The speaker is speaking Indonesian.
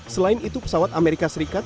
selain itu pesawat amerika serikat